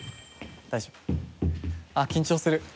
大丈夫？あっ緊張する。